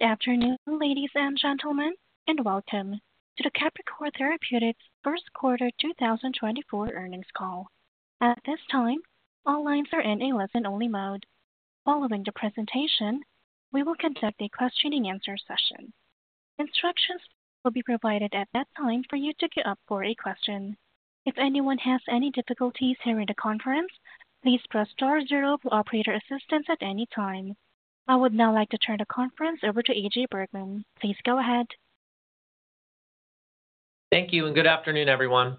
Good afternoon, ladies and gentlemen, and welcome to the Capricor Therapeutics first quarter 2024 earnings call. At this time, all lines are in a listen-only mode. Following the presentation, we will conduct a question-and-answer session. Instructions will be provided at that time for you to queue up for a question. If anyone has any difficulties hearing the conference, please press star zero for operator assistance at any time. I would now like to turn the conference over to AJ Bergmann. Please go ahead. Thank you, and good afternoon, everyone.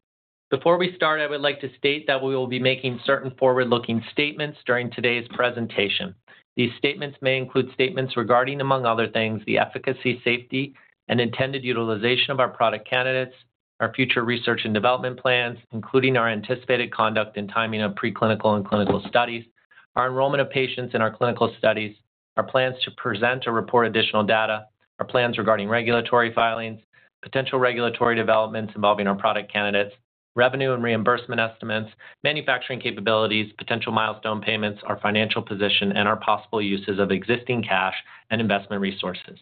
Before we start, I would like to state that we will be making certain forward-looking statements during today's presentation. These statements may include statements regarding, among other things, the efficacy, safety, and intended utilization of our product candidates, our future research and development plans, including our anticipated conduct and timing of preclinical and clinical studies, our enrollment of patients in our clinical studies, our plans to present or report additional data, our plans regarding regulatory filings, potential regulatory developments involving our product candidates, revenue and reimbursement estimates, manufacturing capabilities, potential milestone payments, our financial position, and our possible uses of existing cash and investment resources.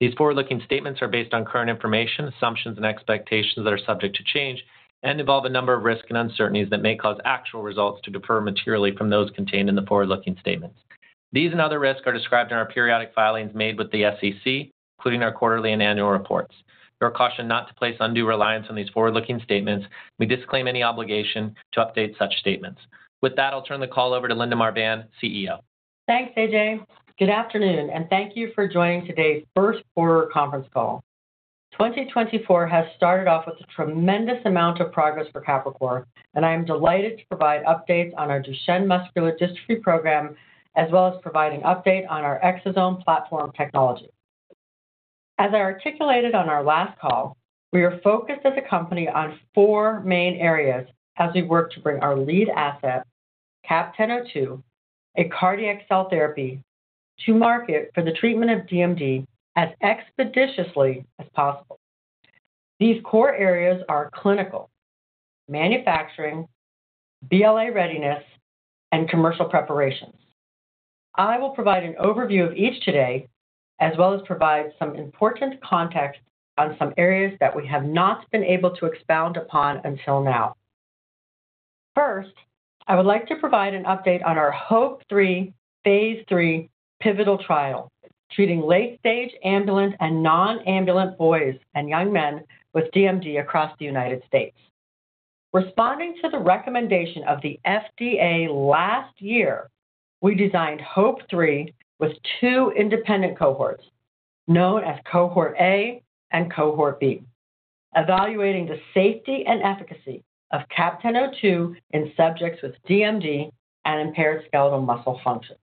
These forward-looking statements are based on current information, assumptions, and expectations that are subject to change, and involve a number of risks and uncertainties that may cause actual results to differ materially from those contained in the forward-looking statements. These and other risks are described in our periodic filings made with the SEC, including our quarterly and annual reports. Your caution not to place undue reliance on these forward-looking statements. We disclaim any obligation to update such statements. With that, I'll turn the call over to Linda Marbán, CEO. Thanks, AJ. Good afternoon, and thank you for joining today's first quarter conference call. 2024 has started off with a tremendous amount of progress for Capricor, and I am delighted to provide updates on our Duchenne muscular dystrophy program as well as provide an update on our Exosome platform technology. As I articulated on our last call, we are focused as a company on four main areas as we work to bring our lead asset, CAP-1002, a cardiac cell therapy, to market for the treatment of DMD as expeditiously as possible. These core areas are clinical, manufacturing, BLA readiness, and commercial preparations. I will provide an overview of each today as well as provide some important context on some areas that we have not been able to expound upon until now. First, I would like to provide an update on our HOPE-3 phase III pivotal trial treating late-stage ambulant and non-ambulant boys and young men with DMD across the United States. Responding to the recommendation of the FDA last year, we designed HOPE-3 with two independent cohorts known as Cohort A and Cohort B, evaluating the safety and efficacy of CAP-1002 in subjects with DMD and impaired skeletal muscle function.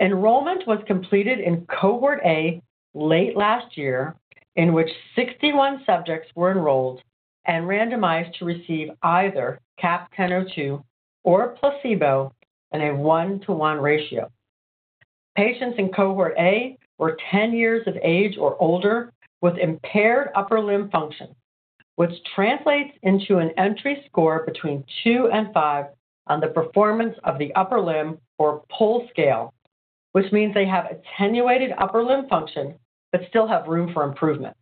Enrollment was completed in Cohort A late last year, in which 61 subjects were enrolled and randomized to receive either CAP-1002 or placebo in a one-to-one ratio. Patients in Cohort A were 10 years of age or older with impaired upper limb function, which translates into an entry score between two and five on the Performance of the Upper Limb (PUL) scale, which means they have attenuated upper limb function but still have room for improvement.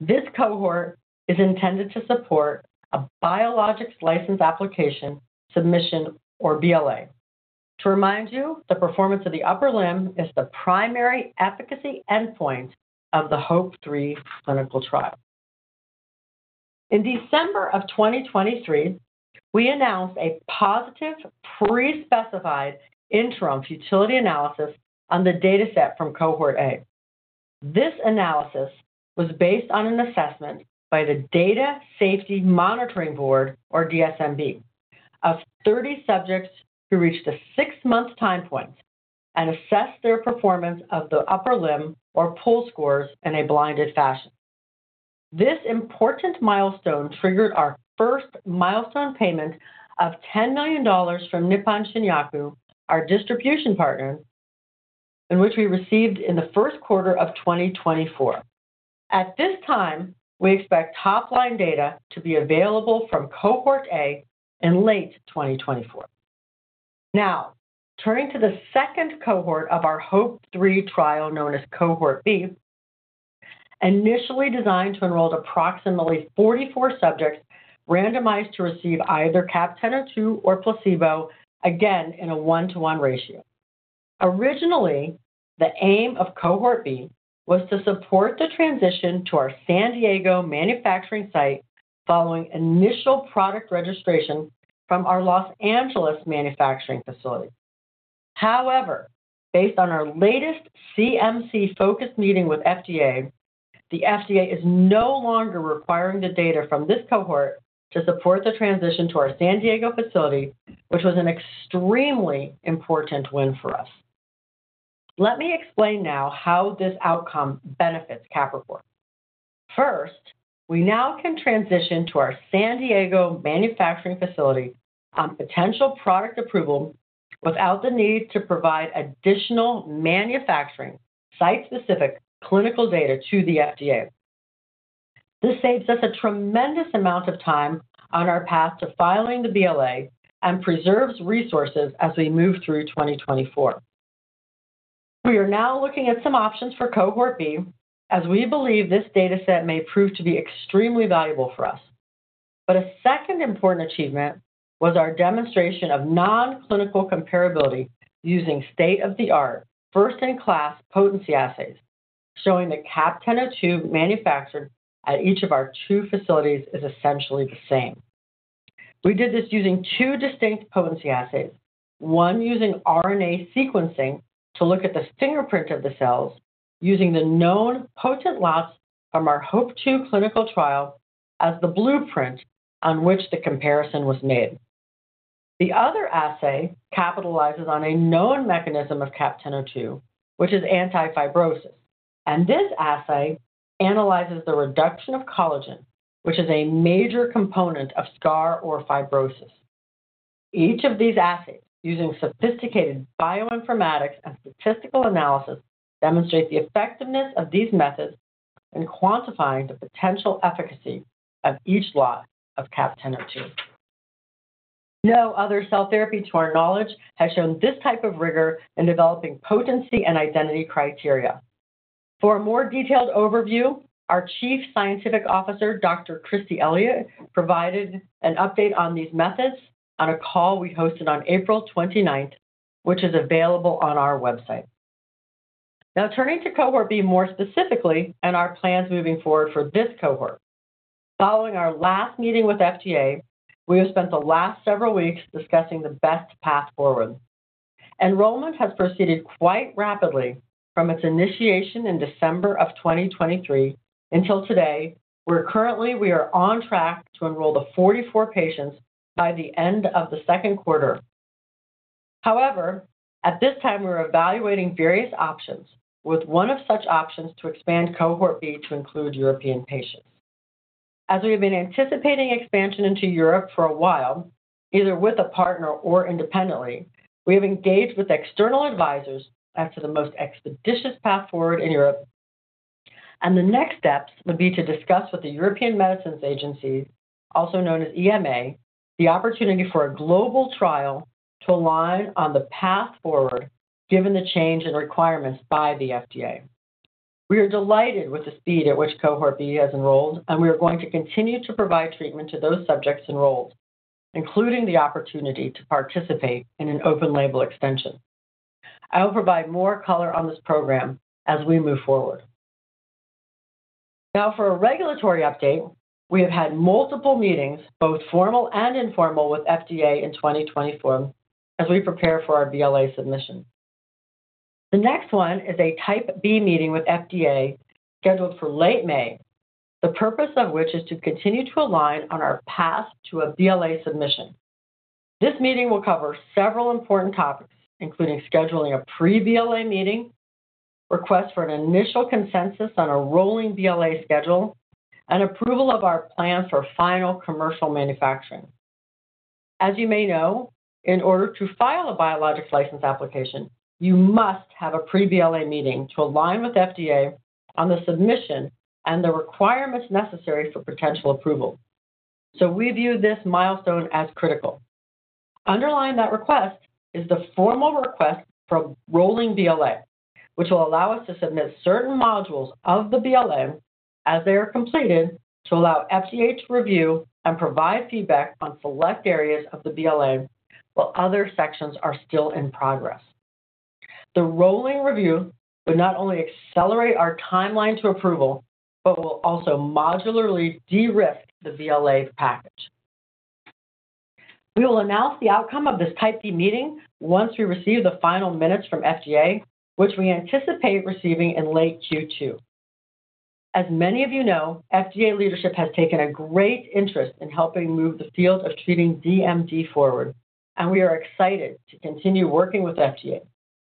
This cohort is intended to support a Biologics License Application submission, or BLA. To remind you, the Performance of the Upper Limb is the primary efficacy endpoint of the HOPE-3 clinical trial. In December of 2023, we announced a positive pre-specified interim futility analysis on the dataset from Cohort A. This analysis was based on an assessment by the Data Safety Monitoring Board, or DSMB, of 30 subjects who reached a six-month time point and assessed their Performance of the Upper Limb or PUL scores in a blinded fashion. This important milestone triggered our first milestone payment of $10 million from Nippon Shinyaku, our distribution partner, in which we received in the first quarter of 2024. At this time, we expect top-line data to be available from Cohort A in late 2024. Now, turning to the second cohort of our HOPE-3 trial known as Cohort B, initially designed to enroll approximately 44 subjects randomized to receive either CAP-1002 or placebo, again in a one-to-one ratio. Originally, the aim of Cohort B was to support the transition to our San Diego manufacturing site following initial product registration from our Los Angeles manufacturing facility. However, based on our latest CMC-focused meeting with FDA, the FDA is no longer requiring the data from this cohort to support the transition to our San Diego facility, which was an extremely important win for us. Let me explain now how this outcome benefits Capricor. First, we now can transition to our San Diego manufacturing facility on potential product approval without the need to provide additional manufacturing site-specific clinical data to the FDA. This saves us a tremendous amount of time on our path to filing the BLA and preserves resources as we move through 2024. We are now looking at some options for Cohort B as we believe this dataset may prove to be extremely valuable for us. But a second important achievement was our demonstration of non-clinical comparability using state-of-the-art, first-in-class potency assays, showing the CAP-1002 manufactured at each of our two facilities is essentially the same. We did this using two distinct potency assays, one using RNA sequencing to look at the fingerprint of the cells using the known potent lots from our HOPE-2 clinical trial as the blueprint on which the comparison was made. The other assay capitalizes on a known mechanism of CAP-1002, which is anti-fibrosis, and this assay analyzes the reduction of collagen, which is a major component of scar or fibrosis. Each of these assays, using sophisticated bioinformatics and statistical analysis, demonstrates the effectiveness of these methods in quantifying the potential efficacy of each lot of CAP-1002. No other cell therapy, to our knowledge, has shown this type of rigor in developing potency and identity criteria. For a more detailed overview, our Chief Scientific Officer, Dr. Kristi Elliott, provided an update on these methods on a call we hosted on April 29th, which is available on our website. Now, turning to Cohort B more specifically and our plans moving forward for this cohort. Following our last meeting with FDA, we have spent the last several weeks discussing the best path forward. Enrollment has proceeded quite rapidly from its initiation in December of 2023 until today, where currently we are on track to enroll the 44 patients by the end of the second quarter. However, at this time, we are evaluating various options, with one of such options to expand Cohort B to include European patients. As we have been anticipating expansion into Europe for a while, either with a partner or independently, we have engaged with external advisors as to the most expeditious path forward in Europe. The next steps would be to discuss with the European Medicines Agency, also known as EMA, the opportunity for a global trial to align on the path forward given the change in requirements by the FDA. We are delighted with the speed at which Cohort B has enrolled, and we are going to continue to provide treatment to those subjects enrolled, including the opportunity to participate in an Open-Label Extension. I will provide more color on this program as we move forward. Now, for a regulatory update, we have had multiple meetings, both formal and informal, with FDA in 2024 as we prepare for our BLA submission. The next one is a Type B meeting with FDA scheduled for late May, the purpose of which is to continue to align on our path to a BLA submission. This meeting will cover several important topics, including scheduling a pre-BLA meeting, request for an initial consensus on a rolling BLA schedule, and approval of our plan for final commercial manufacturing. As you may know, in order to file a Biologics License Application, you must have a pre-BLA meeting to align with FDA on the submission and the requirements necessary for potential approval. So we view this milestone as critical. Underlying that request is the formal request for rolling BLA, which will allow us to submit certain modules of the BLA as they are completed to allow FDA to review and provide feedback on select areas of the BLA while other sections are still in progress. The rolling review would not only accelerate our timeline to approval but will also modularly de-risk the BLA package. We will announce the outcome of this Type B meeting once we receive the final minutes from FDA, which we anticipate receiving in late Q2. As many of you know, FDA leadership has taken a great interest in helping move the field of treating DMD forward, and we are excited to continue working with FDA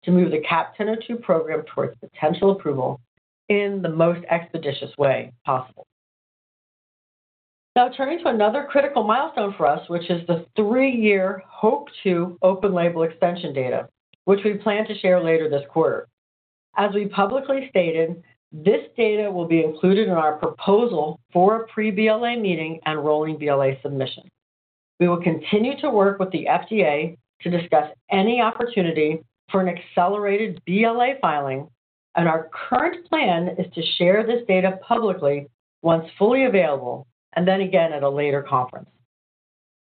to move the CAP-1002 program towards potential approval in the most expeditious way possible. Now, turning to another critical milestone for us, which is the three-year HOPE-2 Open-Label Extension data, which we plan to share later this quarter. As we publicly stated, this data will be included in our proposal for a pre-BLA meeting and rolling BLA submission. We will continue to work with the FDA to discuss any opportunity for an accelerated BLA filing, and our current plan is to share this data publicly once fully available and then again at a later conference.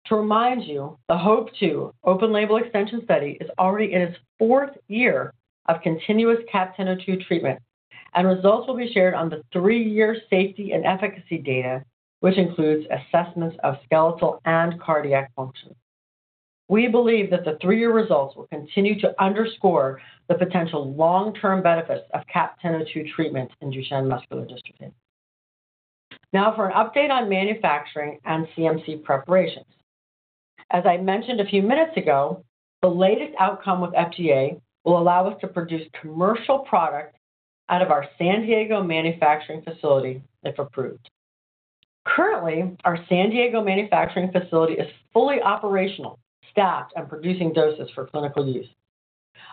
To remind you, the HOPE-2 Open-Label Extension study is already in its fourth year of continuous CAP-1002 treatment, and results will be shared on the three-year safety and efficacy data, which includes assessments of skeletal and cardiac function. We believe that the three-year results will continue to underscore the potential long-term benefits of CAP-1002 treatment in Duchenne muscular dystrophy. Now, for an update on manufacturing and CMC preparations. As I mentioned a few minutes ago, the latest outcome with FDA will allow us to produce commercial product out of our San Diego manufacturing facility if approved. Currently, our San Diego manufacturing facility is fully operational, staffed, and producing doses for clinical use.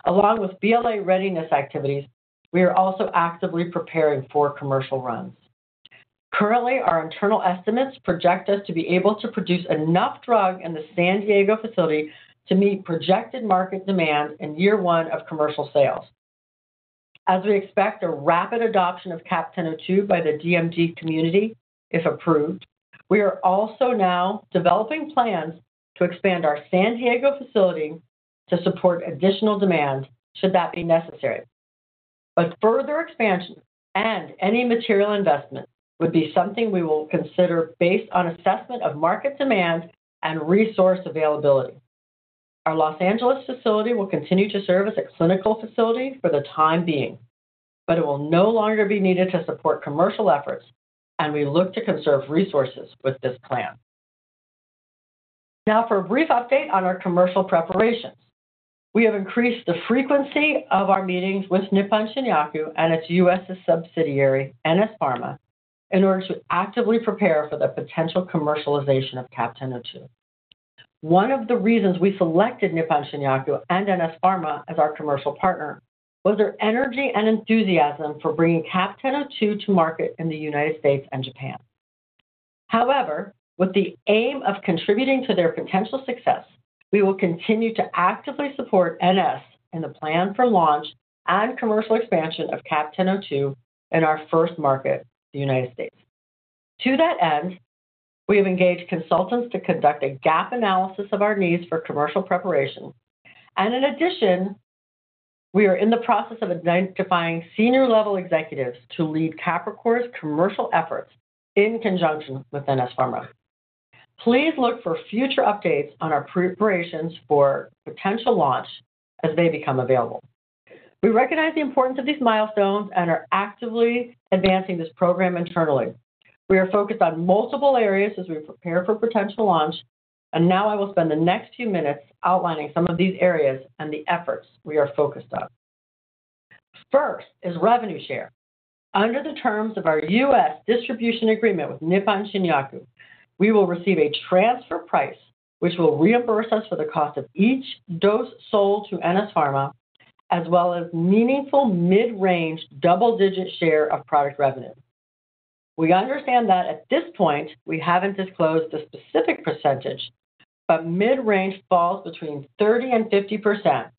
Along with BLA readiness activities, we are also actively preparing for commercial runs. Currently, our internal estimates project us to be able to produce enough drug in the San Diego facility to meet projected market demand in year one of commercial sales. As we expect a rapid adoption of CAP-1002 by the DMD community if approved, we are also now developing plans to expand our San Diego facility to support additional demand should that be necessary. But further expansion and any material investment would be something we will consider based on assessment of market demand and resource availability. Our Los Angeles facility will continue to serve as a clinical facility for the time being, but it will no longer be needed to support commercial efforts, and we look to conserve resources with this plan. Now, for a brief update on our commercial preparations. We have increased the frequency of our meetings with Nippon Shinyaku and its U.S. subsidiary, NS Pharma, in order to actively prepare for the potential commercialization of CAP-1002. One of the reasons we selected Nippon Shinyaku and NS Pharma as our commercial partner was their energy and enthusiasm for bringing CAP-1002 to market in the United States and Japan. However, with the aim of contributing to their potential success, we will continue to actively support NS in the plan for launch and commercial expansion of CAP-1002 in our first market, the United States. To that end, we have engaged consultants to conduct a gap analysis of our needs for commercial preparation, and in addition, we are in the process of identifying senior-level executives to lead Capricor's commercial efforts in conjunction with NS Pharma. Please look for future updates on our preparations for potential launch as they become available. We recognize the importance of these milestones and are actively advancing this program internally. We are focused on multiple areas as we prepare for potential launch, and now I will spend the next few minutes outlining some of these areas and the efforts we are focused on. First is revenue share. Under the terms of our U.S. distribution agreement with Nippon Shinyaku, we will receive a transfer price which will reimburse us for the cost of each dose sold to NS Pharma, as well as meaningful mid-range double-digit share of product revenue. We understand that at this point we haven't disclosed the specific percentage, but mid-range falls between 30%-50%,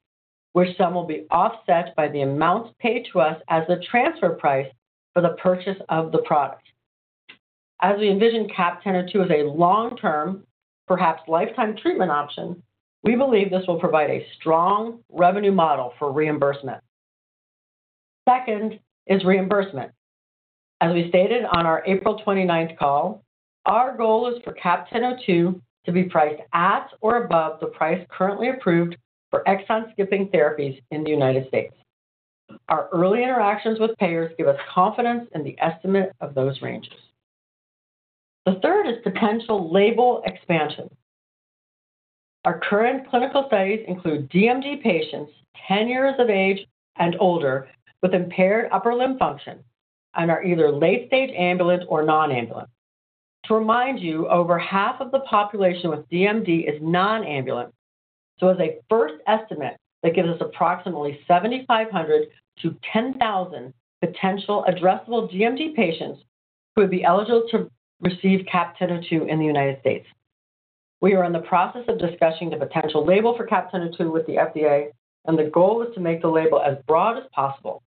which some will be offset by the amounts paid to us as the transfer price for the purchase of the product. As we envision CAP-1002 as a long-term, perhaps lifetime treatment option, we believe this will provide a strong revenue model for reimbursement. Second is reimbursement. As we stated on our April 29th call, our goal is for CAP-1002 to be priced at or above the price currently approved for exon-skipping therapies in the United States. Our early interactions with payers give us confidence in the estimate of those ranges. The third is potential label expansion. Our current clinical studies include DMD patients 10 years of age and older with impaired upper limb function and are either late-stage ambulant or non-ambulant. To remind you, over half of the population with DMD is non-ambulant, so as a first estimate, that gives us approximately 7,500-10,000 potential addressable DMD patients who would be eligible to receive CAP-1002 in the United States. We are in the process of discussing the potential label for CAP-1002 with the FDA, and the goal is to make the label as broad as possible,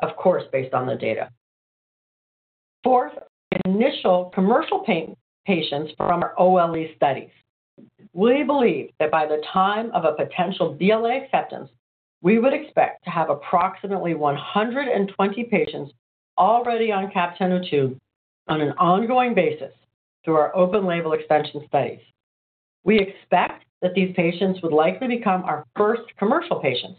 of course, based on the data. Fourth, initial commercial patients from our OLE studies. We believe that by the time of a potential BLA acceptance, we would expect to have approximately 120 patients already on CAP-1002 on an ongoing basis through our open-label extension studies. We expect that these patients would likely become our first commercial patients.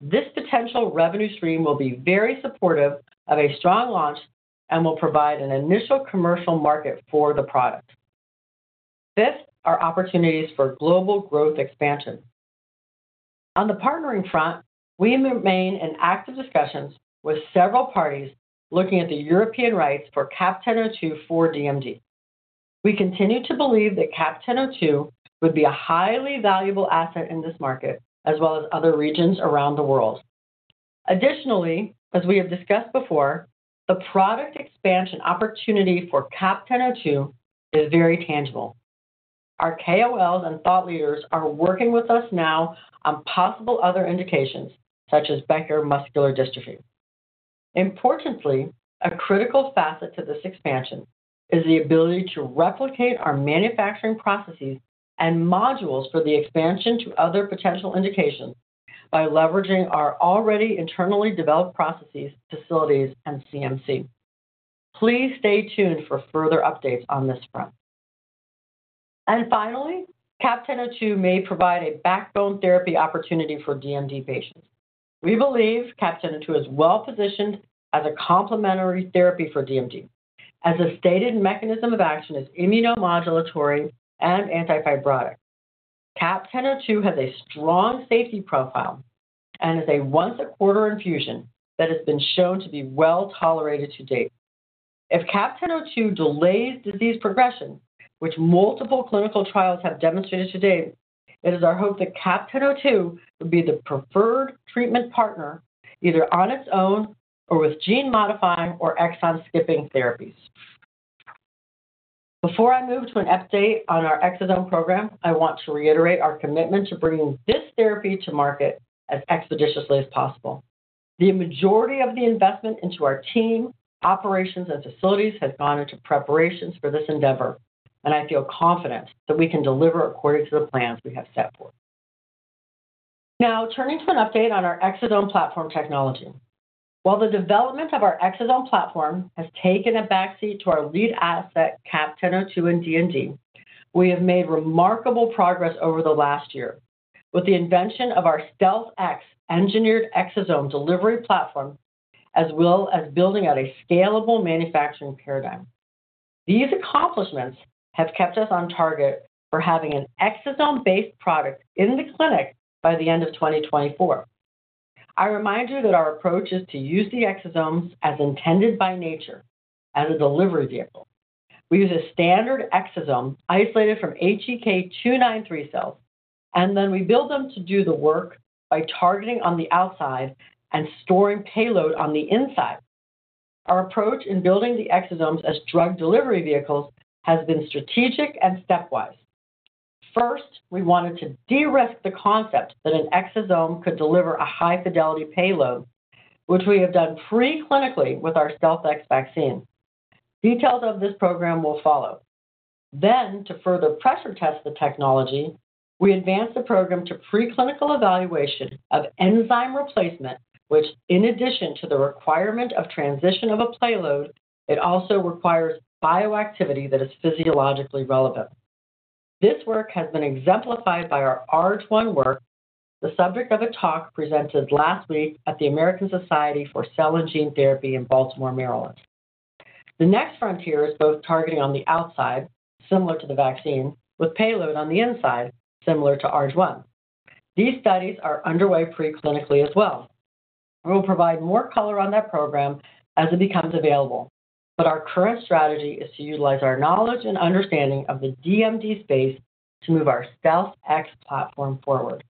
This potential revenue stream will be very supportive of a strong launch and will provide an initial commercial market for the product. Fifth are opportunities for global growth expansion. On the partnering front, we remain in active discussions with several parties looking at the European rights for CAP-1002 for DMD. We continue to believe that CAP-1002 would be a highly valuable asset in this market, as well as other regions around the world. Additionally, as we have discussed before, the product expansion opportunity for CAP-1002 is very tangible. Our KOLs and thought leaders are working with us now on possible other indications, such as Becker muscular dystrophy. Importantly, a critical facet to this expansion is the ability to replicate our manufacturing processes and modules for the expansion to other potential indications by leveraging our already internally developed processes, facilities, and CMC. Please stay tuned for further updates on this front. And finally, CAP-1002 may provide a backbone therapy opportunity for DMD patients. We believe CAP-1002 is well-positioned as a complementary therapy for DMD, as the stated mechanism of action is immunomodulatory and anti-fibrotic. CAP-1002 has a strong safety profile and is a once-a-quarter infusion that has been shown to be well-tolerated to date. If CAP-1002 delays disease progression, which multiple clinical trials have demonstrated to date, it is our hope that CAP-1002 would be the preferred treatment partner, either on its own or with gene-modifying or exon-skipping therapies. Before I move to an update on our Exosome program, I want to reiterate our commitment to bringing this therapy to market as expeditiously as possible. The majority of the investment into our team, operations, and facilities has gone into preparations for this endeavor, and I feel confident that we can deliver according to the plans we have set forth. Now, turning to an update on our Exosome platform technology. While the development of our exosome platform has taken a backseat to our lead asset, CAP-1002 and DMD, we have made remarkable progress over the last year with the invention of our StealthX engineered exosome delivery platform, as well as building out a scalable manufacturing paradigm. These accomplishments have kept us on target for having an exosome-based product in the clinic by the end of 2024. I remind you that our approach is to use the exosomes as intended by nature as a delivery vehicle. We use a standard exosome isolated from HEK293 cells, and then we build them to do the work by targeting on the outside and storing payload on the inside. Our approach in building the exosomes as drug delivery vehicles has been strategic and stepwise. First, we wanted to de-risk the concept that an exosome could deliver a high-fidelity payload, which we have done preclinically with our StealthX vaccine. Details of this program will follow. Then, to further pressure-test the technology, we advanced the program to preclinical evaluation of enzyme replacement, which, in addition to the requirement of transition of a payload, it also requires bioactivity that is physiologically relevant. This work has been exemplified by our ARG1 work, the subject of a talk presented last week at the American Society of Gene & Cell Therapy in Baltimore, Maryland. The next frontier is both targeting on the outside, similar to the vaccine, with payload on the inside, similar to ARG1. These studies are underway preclinically as well. We will provide more color on that program as it becomes available, but our current strategy is to utilize our knowledge and understanding of the DMD space to move our StealthX platform forward.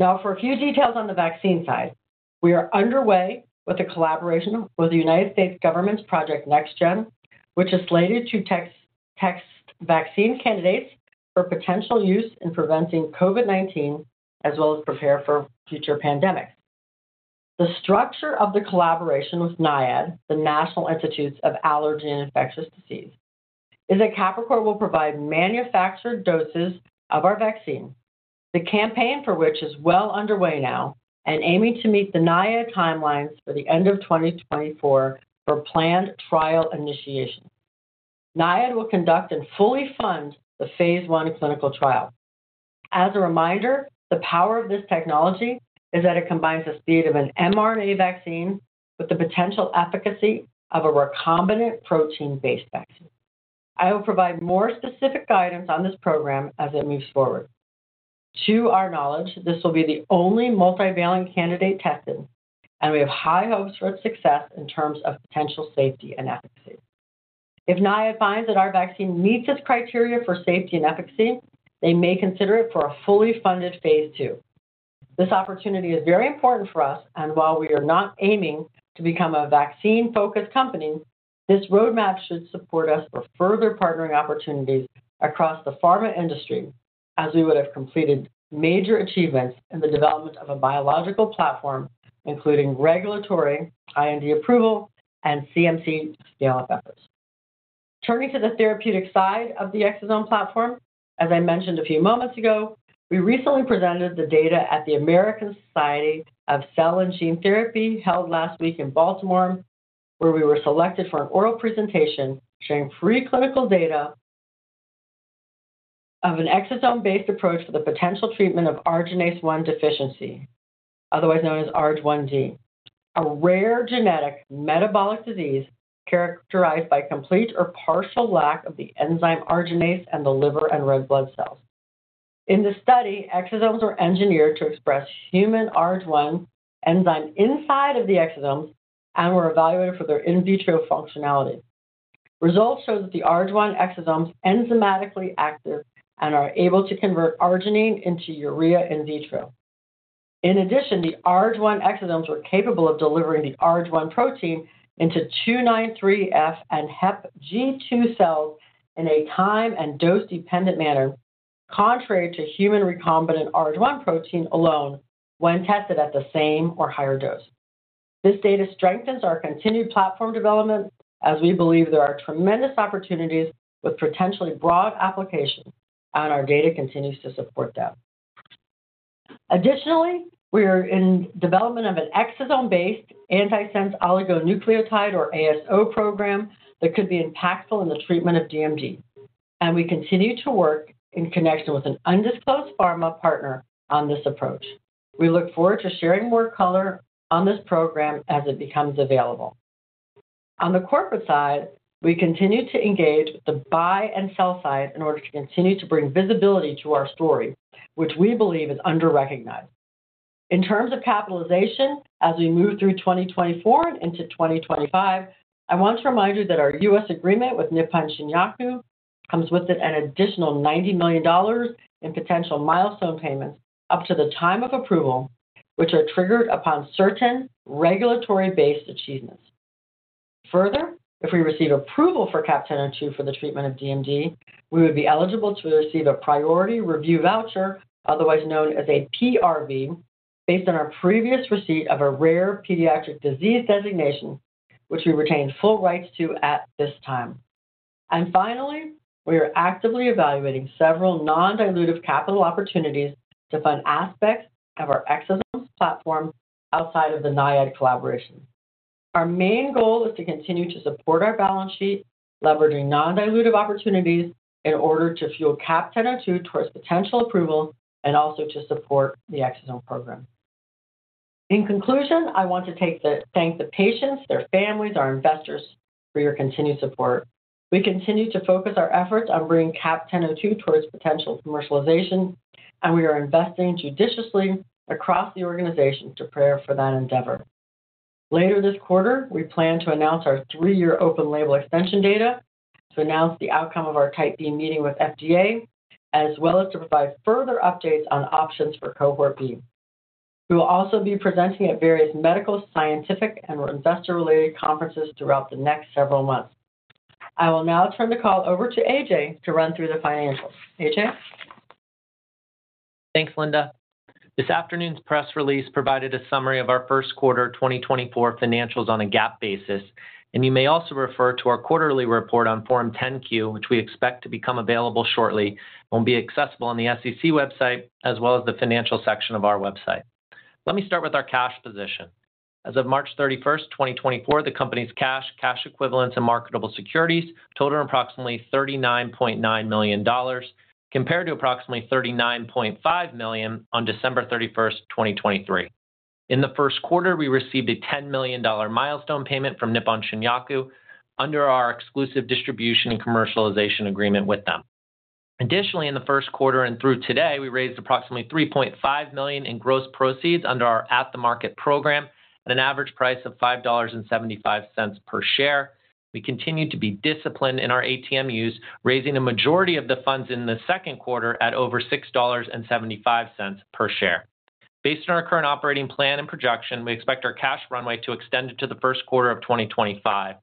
Now, for a few details on the vaccine side. We are underway with a collaboration with the United States government's Project NextGen, which is slated to test vaccine candidates for potential use in preventing COVID-19, as well as prepare for future pandemics. The structure of the collaboration with NIAID, the National Institute of Allergy and Infectious Diseases, is that Capricor will provide manufactured doses of our vaccine, the campaign for which is well underway now and aiming to meet the NIAID timelines for the end of 2024 for planned trial initiation. NIAID will conduct and fully fund the phase I clinical trial. As a reminder, the power of this technology is that it combines the speed of an mRNA vaccine with the potential efficacy of a recombinant protein-based vaccine. I will provide more specific guidance on this program as it moves forward. To our knowledge, this will be the only multivalent candidate tested, and we have high hopes for its success in terms of potential safety and efficacy. If NIAID finds that our vaccine meets its criteria for safety and efficacy, they may consider it for a fully funded phase II. This opportunity is very important for us, and while we are not aiming to become a vaccine-focused company, this roadmap should support us for further partnering opportunities across the pharma industry, as we would have completed major achievements in the development of a biological platform, including regulatory IND approval and CMC scale-up efforts. Turning to the therapeutic side of the exosome platform. As I mentioned a few moments ago, we recently presented the data at the American Society of Gene & Cell Therapy held last week in Baltimore, where we were selected for an oral presentation sharing preclinical data of an exosome-based approach for the potential treatment of ARG1 deficiency, otherwise known as ARG1-D, a rare genetic metabolic disease characterized by complete or partial lack of the enzyme ARG1 in the liver and red blood cells. In the study, exosomes were engineered to express human ARG1 enzyme inside of the exosomes and were evaluated for their in vitro functionality. Results showed that the ARG1 exosomes enzymatically acted and are able to convert arginine into urea in vitro. In addition, the ARG1 exosomes were capable of delivering the ARG1 protein into 293F and HepG2 cells in a time and dose-dependent manner, contrary to human recombinant ARG1 protein alone when tested at the same or higher dose. This data strengthens our continued platform development, as we believe there are tremendous opportunities with potentially broad applications, and our data continues to support them. Additionally, we are in development of an exosome-based antisense oligonucleotide, or ASO, program that could be impactful in the treatment of DMD, and we continue to work in connection with an undisclosed pharma partner on this approach. We look forward to sharing more color on this program as it becomes available. On the corporate side, we continue to engage with the buy and sell side in order to continue to bring visibility to our story, which we believe is underrecognized. In terms of capitalization, as we move through 2024 and into 2025, I want to remind you that our U.S. agreement with Nippon Shinyaku comes with an additional $90 million in potential milestone payments up to the time of approval, which are triggered upon certain regulatory-based achievements. Further, if we receive approval for CAP-1002 for the treatment of DMD, we would be eligible to receive a Priority Review Voucher, otherwise known as a PRV, based on our previous receipt of a Rare Pediatric Disease Designation, which we retain full rights to at this time. And finally, we are actively evaluating several non-dilutive capital opportunities to fund aspects of our exosome platform outside of the NIAID collaboration. Our main goal is to continue to support our balance sheet, leveraging non-dilutive opportunities in order to fuel CAP-1002 towards potential approval and also to support the exosome program. In conclusion, I want to thank the patients, their families, and our investors for your continued support. We continue to focus our efforts on bringing CAP-1002 towards potential commercialization, and we are investing judiciously across the organization to prepare for that endeavor. Later this quarter, we plan to announce our three-year open label extension data, to announce the outcome of our Type B meeting with FDA, as well as to provide further updates on options for Cohort B. We will also be presenting at various medical, scientific, and investor-related conferences throughout the next several months. I will now turn the call over to AJ to run through the financials. AJ? Thanks, Linda. This afternoon's press release provided a summary of our first quarter 2024 financials on a GAAP basis, and you may also refer to our quarterly report on Form 10-Q, which we expect to become available shortly and will be accessible on the SEC website, as well as the financial section of our website. Let me start with our cash position. As of March 31st, 2024, the company's cash, cash equivalents, and marketable securities totaled approximately $39.9 million compared to approximately $39.5 million on December 31st, 2023. In the first quarter, we received a $10 million milestone payment from Nippon Shinyaku under our exclusive distribution and commercialization agreement with them. Additionally, in the first quarter and through today, we raised approximately $3.5 million in gross proceeds under our at-the-market program at an average price of $5.75 per share. We continue to be disciplined in our ATM use, raising the majority of the funds in the second quarter at over $6.75 per share. Based on our current operating plan and projection, we expect our cash runway to extend into the first quarter of 2025,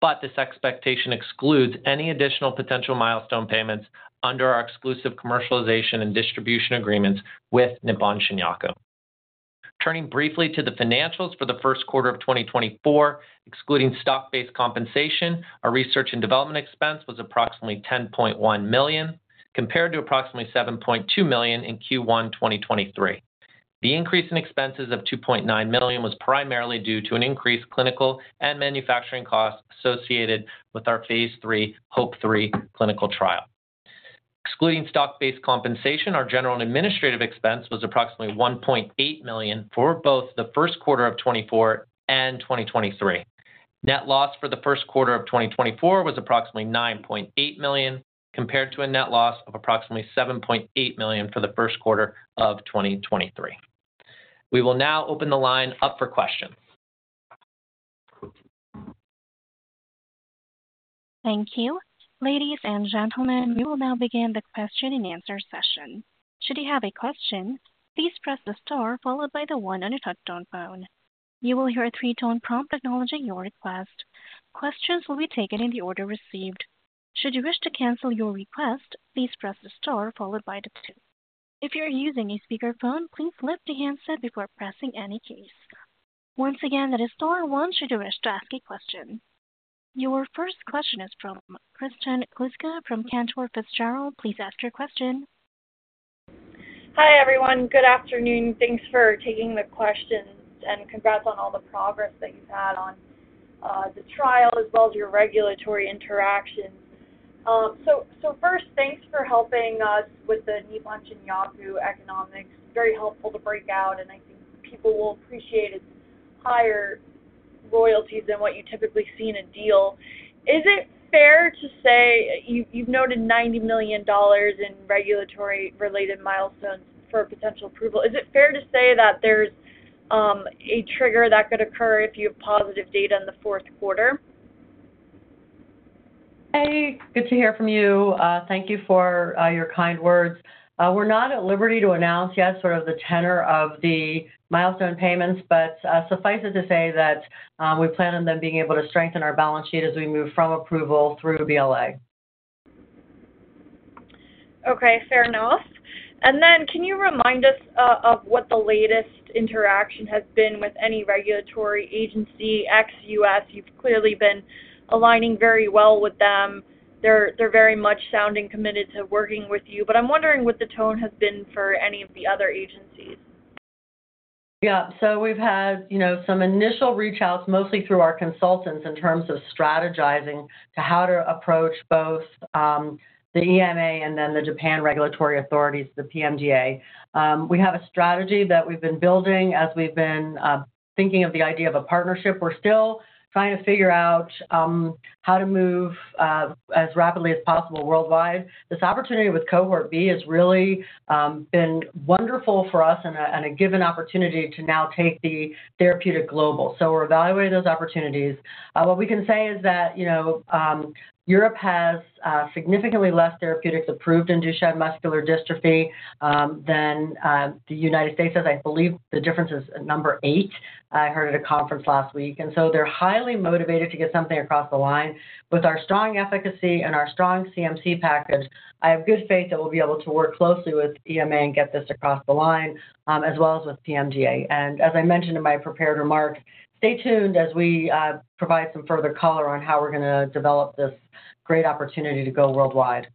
but this expectation excludes any additional potential milestone payments under our exclusive commercialization and distribution agreements with Nippon Shinyaku. Turning briefly to the financials for the first quarter of 2024, excluding stock-based compensation, our research and development expense was approximately $10.1 million compared to approximately $7.2 million in Q1 2023. The increase in expenses of $2.9 million was primarily due to an increased clinical and manufacturing costs associated with our phase III, HOPE-3, clinical trial. Excluding stock-based compensation, our general and administrative expense was approximately $1.8 million for both the first quarter of 2024 and 2023. Net loss for the first quarter of 2024 was approximately $9.8 million compared to a net loss of approximately $7.8 million for the first quarter of 2023. We will now open the line up for questions. Thank you. Ladies and gentlemen, we will now begin the question-and-answer session. Should you have a question, please press the star followed by the one on your touch-tone phone. You will hear a three-tone prompt acknowledging your request. Questions will be taken in the order received. Should you wish to cancel your request, please press the star followed by the two. If you are using a speakerphone, please lift the handset before pressing any keys. Once again, that is star one should you wish to ask a question. Your first question is from Kristen Kluska from Cantor Fitzgerald. Please ask your question. Hi everyone. Good afternoon. Thanks for taking the questions, and congrats on all the progress that you've had on the trial as well as your regulatory interactions. So first, thanks for helping us with the Nippon Shinyaku economics. Very helpful to break out, and I think people will appreciate its higher royalties than what you typically see in a deal. Is it fair to say you've noted $90 million in regulatory-related milestones for potential approval? Is it fair to say that there's a trigger that could occur if you have positive data in the fourth quarter? Hey, good to hear from you. Thank you for your kind words. We're not at liberty to announce yet sort of the tenor of the milestone payments, but suffice it to say that we plan on them being able to strengthen our balance sheet as we move from approval through BLA. Okay, fair enough. And then can you remind us of what the latest interaction has been with any regulatory agency ex-U.S.? You've clearly been aligning very well with them. They're very much sounding committed to working with you, but I'm wondering what the tone has been for any of the other agencies. Yeah, so we've had some initial reachouts mostly through our consultants in terms of strategizing to how to approach both the EMA and then the Japan regulatory authorities, the PMDA. We have a strategy that we've been building as we've been thinking of the idea of a partnership. We're still trying to figure out how to move as rapidly as possible worldwide. This opportunity with Cohort B has really been wonderful for us and a given opportunity to now take the therapeutic global. So we're evaluating those opportunities. What we can say is that Europe has significantly less therapeutics approved in Duchenne muscular dystrophy than the United States. I believe the difference is number eight. I heard at a conference last week. And so they're highly motivated to get something across the line. With our strong efficacy and our strong CMC package, I have good faith that we'll be able to work closely with EMA and get this across the line, as well as with PMDA. As I mentioned in my prepared remark, stay tuned as we provide some further color on how we're going to develop this great opportunity to go worldwide.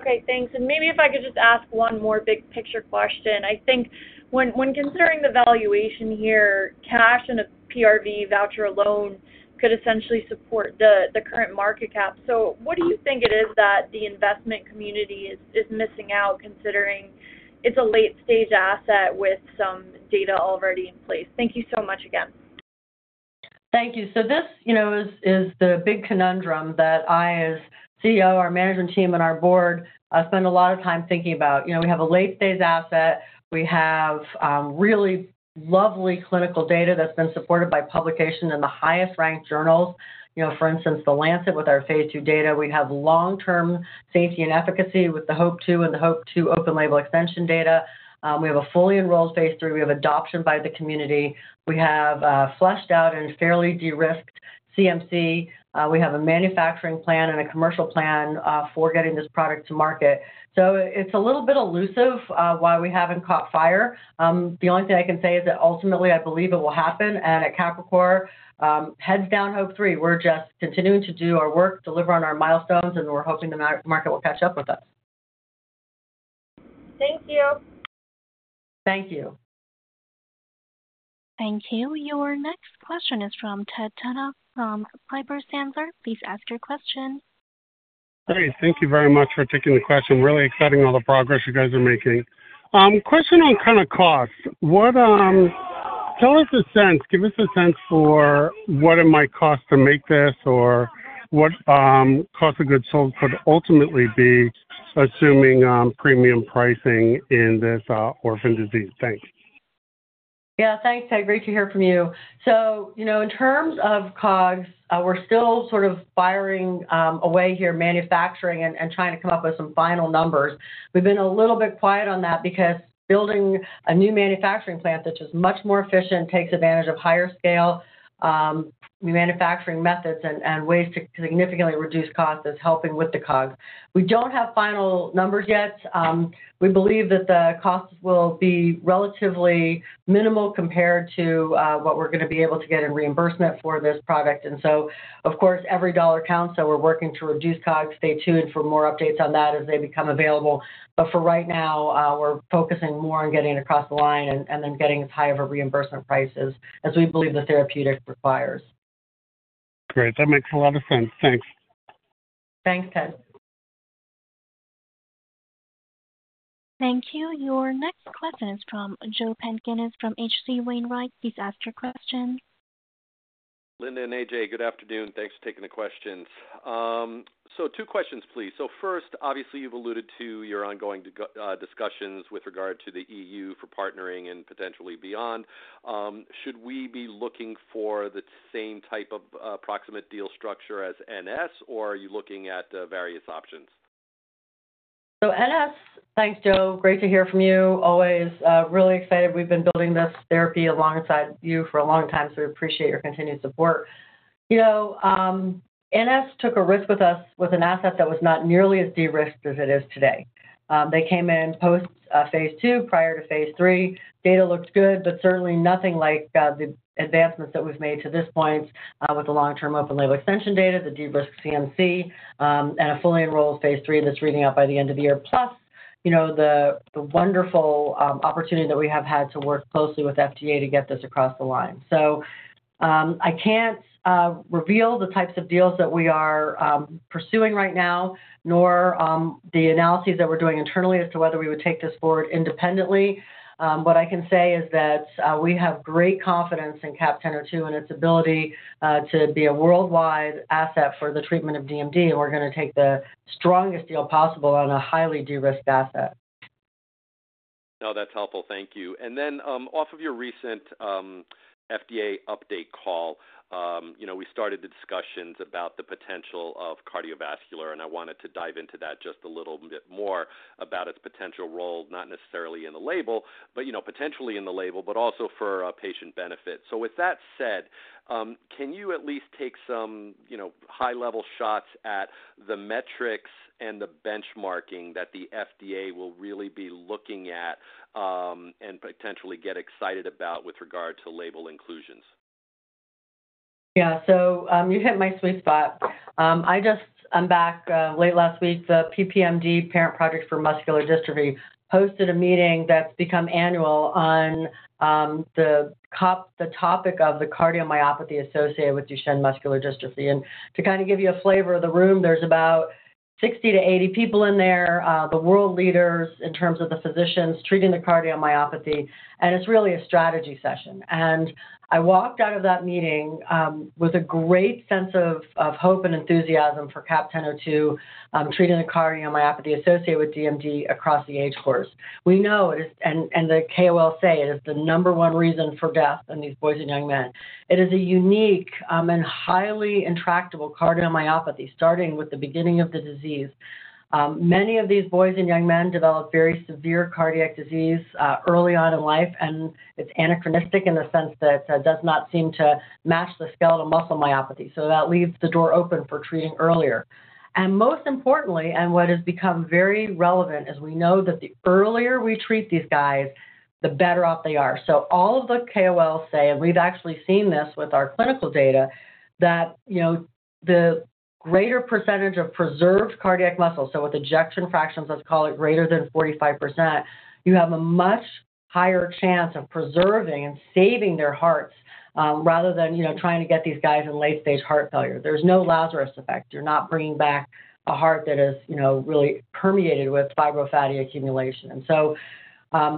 Okay, thanks. And maybe if I could just ask one more big picture question. I think when considering the valuation here, cash and a PRV voucher alone could essentially support the current market cap. So what do you think it is that the investment community is missing out considering it's a late-stage asset with some data already in place? Thank you so much again. Thank you. So this is the big conundrum that I, as CEO, our management team, and our board spend a lot of time thinking about. We have a late-stage asset. We have really lovely clinical data that's been supported by publication in the highest-ranked journals. For instance, The Lancet with our phase II data. We have long-term safety and efficacy with the HOPE-2 and the HOPE-2 Open-Label Extension data. We have a fully enrolled phase III. We have adoption by the community. We have fleshed out and fairly de-risked CMC. We have a manufacturing plan and a commercial plan for getting this product to market. So it's a little bit elusive why we haven't caught fire. The only thing I can say is that ultimately, I believe it will happen. And at Capricor, heads down HOPE-3. We're just continuing to do our work, deliver on our milestones, and we're hoping the market will catch up with us. Thank you. Thank you. Thank you. Your next question is from Ted Tenthoff from Piper Sandler. Please ask your question. Hey, thank you very much for taking the question. Really exciting all the progress you guys are making. Question on kind of cost. Tell us a sense. Give us a sense for what it might cost to make this or what cost of goods sold could ultimately be, assuming premium pricing in this orphan disease. Thanks. Yeah, thanks, Ted. Great to hear from you. So in terms of COGS, we're still sort of firing away here, manufacturing, and trying to come up with some final numbers. We've been a little bit quiet on that because building a new manufacturing plant that's much more efficient, takes advantage of higher-scale manufacturing methods and ways to significantly reduce costs is helping with the COGS. We don't have final numbers yet. We believe that the costs will be relatively minimal compared to what we're going to be able to get in reimbursement for this product. And so, of course, every dollar counts. So we're working to reduce COGS. Stay tuned for more updates on that as they become available. But for right now, we're focusing more on getting it across the line and then getting as high of a reimbursement price as we believe the therapeutic requires. Great. That makes a lot of sense. Thanks. Thanks, Ted. Thank you. Your next question is from Joe Pantginis from H.C. Wainwright. Please ask your question. Linda and AJ, good afternoon. Thanks for taking the questions. Two questions, please. First, obviously, you've alluded to your ongoing discussions with regard to the EU for partnering and potentially beyond. Should we be looking for the same type of approximate deal structure as NS, or are you looking at various options? So NS, thanks, Joe. Great to hear from you. Always really excited. We've been building this therapy alongside you for a long time, so we appreciate your continued support. NS took a risk with us with an asset that was not nearly as de-risked as it is today. They came in post-phase II, prior to phase III. Data looked good, but certainly nothing like the advancements that we've made to this point with the long-term open label extension data, the de-risked CMC, and a fully enrolled phase III that's reading out by the end of the year, plus the wonderful opportunity that we have had to work closely with FDA to get this across the line. So I can't reveal the types of deals that we are pursuing right now, nor the analyses that we're doing internally as to whether we would take this forward independently. What I can say is that we have great confidence in CAP-1002 and its ability to be a worldwide asset for the treatment of DMD, and we're going to take the strongest deal possible on a highly de-risked asset. No, that's helpful. Thank you. And then off of your recent FDA update call, we started the discussions about the potential of cardiovascular, and I wanted to dive into that just a little bit more about its potential role, not necessarily in the label, but potentially in the label, but also for patient benefit. So with that said, can you at least take some high-level shots at the metrics and the benchmarking that the FDA will really be looking at and potentially get excited about with regard to label inclusions? Yeah, so you hit my sweet spot. I'm back. Late last week, the PPMD, Parent Project Muscular Dystrophy, hosted a meeting that's become annual on the topic of the cardiomyopathy associated with Duchenne muscular dystrophy. To kind of give you a flavor of the room, there's about 60-80 people in there, the world leaders in terms of the physicians treating the cardiomyopathy, and it's really a strategy session. I walked out of that meeting with a great sense of hope and enthusiasm for CAP-1002 treating the cardiomyopathy associated with DMD across the age course. We know, and the KOLs say, it is the number one reason for death in these boys and young men. It is a unique and highly intractable cardiomyopathy starting with the beginning of the disease. Many of these boys and young men develop very severe cardiac disease early on in life, and it's anachronistic in the sense that it does not seem to match the skeletal muscle myopathy. So that leaves the door open for treating earlier. And most importantly, and what has become very relevant is we know that the earlier we treat these guys, the better off they are. So all of the KOLs say, and we've actually seen this with our clinical data, that the greater percentage of preserved cardiac muscle, so with ejection fractions, let's call it greater than 45%, you have a much higher chance of preserving and saving their hearts rather than trying to get these guys in late-stage heart failure. There's no Lazarus effect. You're not bringing back a heart that is really permeated with fibrofatty accumulation. And so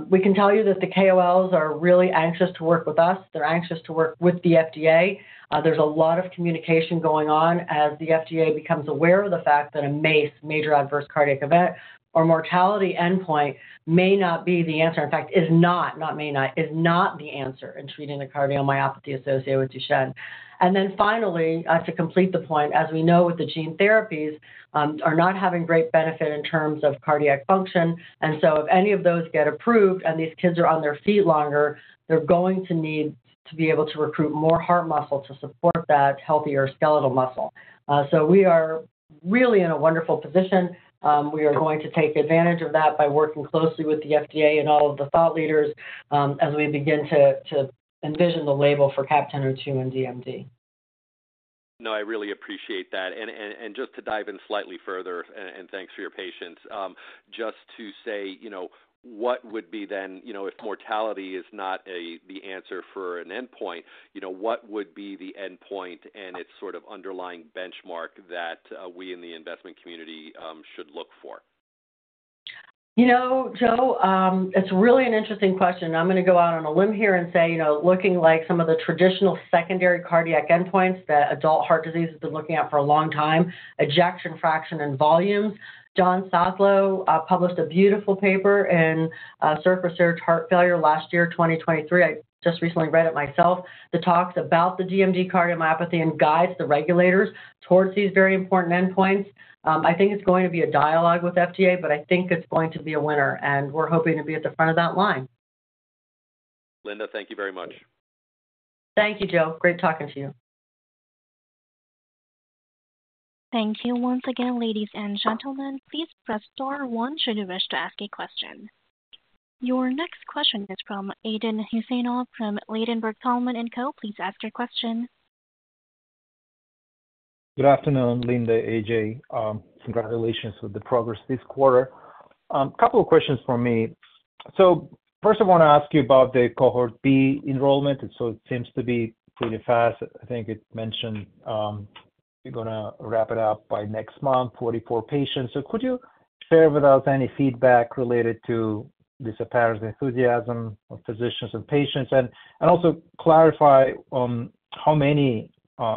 we can tell you that the KOLs are really anxious to work with us. They're anxious to work with the FDA. There's a lot of communication going on as the FDA becomes aware of the fact that a MACE, major adverse cardiac event, or mortality endpoint may not be the answer. In fact, is not, not may not, is not the answer in treating the cardiomyopathy associated with Duchenne. And then finally, to complete the point, as we know with the gene therapies, are not having great benefit in terms of cardiac function. And so if any of those get approved and these kids are on their feet longer, they're going to need to be able to recruit more heart muscle to support that healthier skeletal muscle. So we are really in a wonderful position. We are going to take advantage of that by working closely with the FDA and all of the thought leaders as we begin to envision the label for CAP-1002 and DMD. No, I really appreciate that. Just to dive in slightly further, and thanks for your patience, just to say what would be then if mortality is not the answer for an endpoint, what would be the endpoint and its sort of underlying benchmark that we in the investment community should look for? Joe, it's really an interesting question. I'm going to go out on a limb here and say looking like some of the traditional secondary cardiac endpoints that adult heart disease has been looking at for a long time, ejection fraction and volumes. Daniel Sado published a beautiful paper in Circulation Research Heart Failure last year, 2023. I just recently read it myself. It talks about the DMD cardiomyopathy and guides the regulators towards these very important endpoints. I think it's going to be a dialogue with FDA, but I think it's going to be a winner. And we're hoping to be at the front of that line. Linda, thank you very much. Thank you, Joe. Great talking to you. Thank you once again, ladies and gentlemen. Please press star one should you wish to ask a question. Your next question is from Aydin Huseynov from Ladenburg Thalmann. Please ask your question. Good afternoon, Linda, AJ. Congratulations with the progress this quarter. A couple of questions for me. So first, I want to ask you about the Cohort B enrollment. So it seems to be pretty fast. I think it mentioned you're going to wrap it up by next month, 44 patients. So could you share with us any feedback related to this apparent enthusiasm of physicians and patients? And also clarify how many,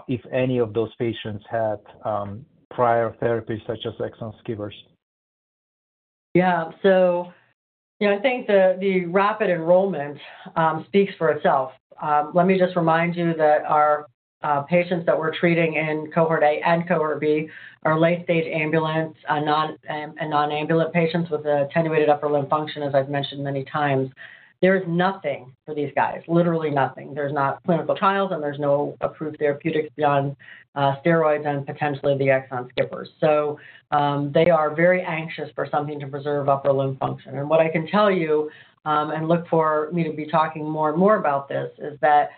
if any, of those patients had prior therapies such as exon skippers? Yeah. So I think the rapid enrollment speaks for itself. Let me just remind you that our patients that we're treating in Cohort A and Cohort B are late-stage ambulant and non-ambulant patients with attenuated upper limb function, as I've mentioned many times. There is nothing for these guys, literally nothing. There's not clinical trials, and there's no approved therapeutics beyond steroids and potentially the exon skippers. So they are very anxious for something to preserve upper limb function. And what I can tell you and look for me to be talking more and more about this is that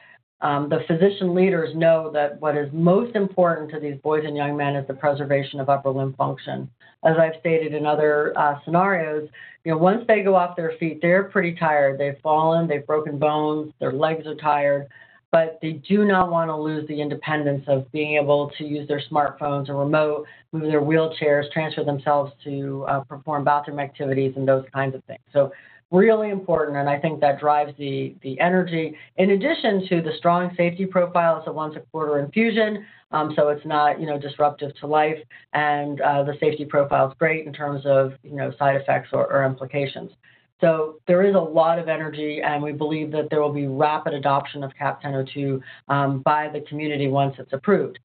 the physician leaders know that what is most important to these boys and young men is the preservation of upper limb function. As I've stated in other scenarios, once they go off their feet, they're pretty tired. They've fallen. They've broken bones. Their legs are tired. But they do not want to lose the independence of being able to use their smartphones or remote, move in their wheelchairs, transfer themselves to perform bathroom activities, and those kinds of things. So really important, and I think that drives the energy. In addition to the strong safety profile is a once-a-quarter infusion. So it's not disruptive to life. And the safety profile is great in terms of side effects or implications. So there is a lot of energy, and we believe that there will be rapid adoption of CAP-1002 by the community once it's approved.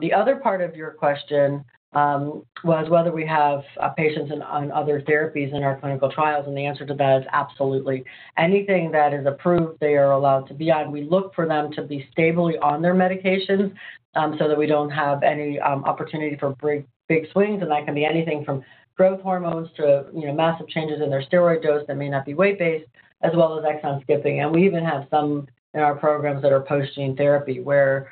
The other part of your question was whether we have patients on other therapies in our clinical trials. And the answer to that is absolutely. Anything that is approved, they are allowed to be on. We look for them to be stably on their medications so that we don't have any opportunity for big swings. And that can be anything from growth hormones to massive changes in their steroid dose that may not be weight-based, as well as exon skipping. And we even have some in our programs that are post-gene therapy where,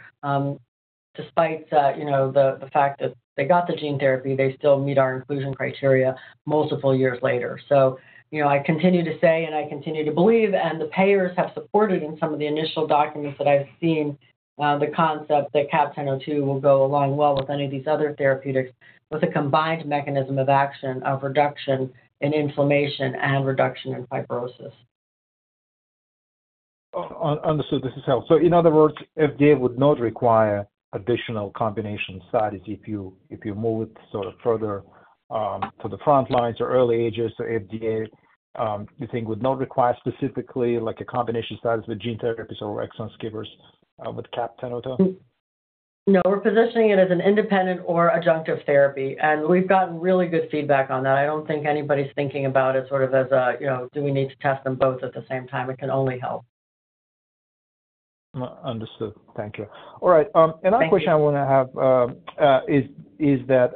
despite the fact that they got the gene therapy, they still meet our inclusion criteria multiple years later. So I continue to say, and I continue to believe, and the payers have supported in some of the initial documents that I've seen the concept that CAP-1002 will go along well with any of these other therapeutics with a combined mechanism of action of reduction in inflammation and reduction in fibrosis. Understood. This is help. So in other words, FDA would not require additional combination studies if you move it sort of further to the front lines or early ages. So FDA, you think, would not require specifically a combination studies with gene therapies or exon skippers with CAP-1002? No, we're positioning it as an independent or adjunctive therapy. We've gotten really good feedback on that. I don't think anybody's thinking about it sort of as a, "Do we need to test them both at the same time? It can only help. Understood. Thank you. All right. Another question I want to have is that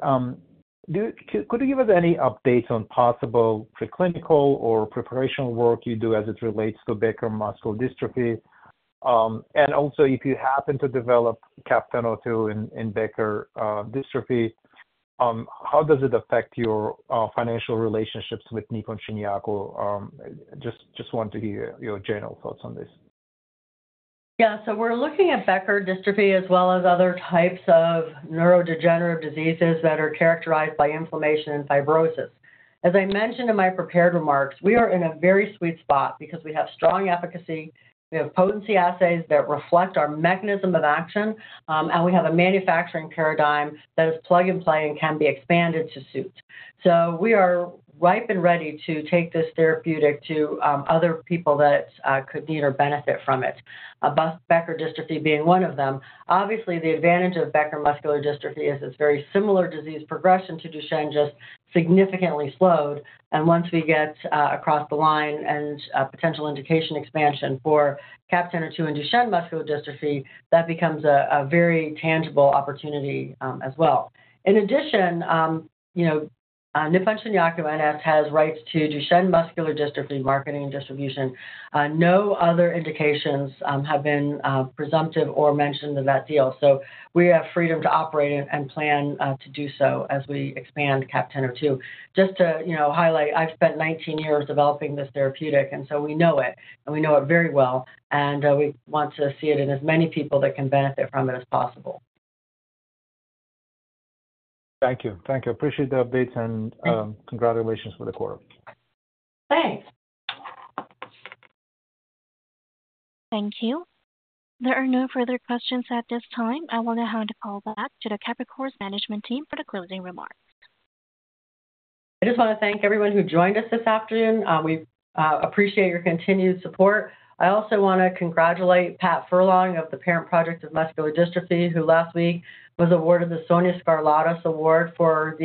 could you give us any updates on possible preclinical or preparational work you do as it relates to Becker muscular dystrophy? And also, if you happen to develop CAP-1002 in Becker dystrophy, how does it affect your financial relationships with Nippon Shinyaku? Just want to hear your general thoughts on this. Yeah. So we're looking at Becker dystrophy as well as other types of neurodegenerative diseases that are characterized by inflammation and fibrosis. As I mentioned in my prepared remarks, we are in a very sweet spot because we have strong efficacy. We have potency assays that reflect our mechanism of action, and we have a manufacturing paradigm that is plug-and-play and can be expanded to suit. So we are ripe and ready to take this therapeutic to other people that could need or benefit from it, Becker dystrophy being one of them. Obviously, the advantage of Becker muscular dystrophy is its very similar disease progression to Duchenne just significantly slowed. And once we get across the line and potential indication expansion for CAP-1002 and Duchenne muscular dystrophy, that becomes a very tangible opportunity as well. In addition, Nippon Shinyaku NS has rights to Duchenne muscular dystrophy marketing and distribution. No other indications have been presumptive or mentioned of that deal. So we have freedom to operate and plan to do so as we expand CAP-1002. Just to highlight, I've spent 19 years developing this therapeutic, and so we know it, and we know it very well. And we want to see it in as many people that can benefit from it as possible. Thank you. Thank you. Appreciate the updates, and congratulations for the quarter. Thanks. Thank you. There are no further questions at this time. I will now hand the call back to Capricor's management team for the closing remarks. I just want to thank everyone who joined us this afternoon. We appreciate your continued support. I also want to congratulate Pat Furlong of the Parent Project Muscular Dystrophy, who last week was awarded the Sonia Skarlatos Public Service Award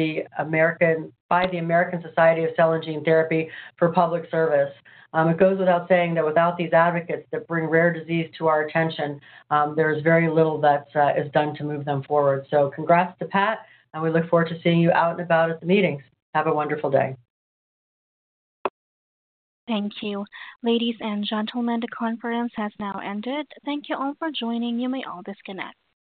by the American Society of Gene & Cell Therapy. It goes without saying that without these advocates that bring rare disease to our attention, there is very little that is done to move them forward. So congrats to Pat, and we look forward to seeing you out and about at the meetings. Have a wonderful day. Thank you. Ladies and gentlemen, the conference has now ended. Thank you all for joining. You may all disconnect.